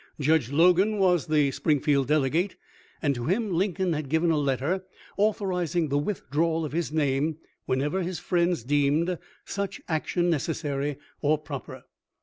Judge Logan was the Spring field delegate, and to him Lincoln had given a letter authorizing the withdrawal of his name whenever his friends deemed such action necessary or proper.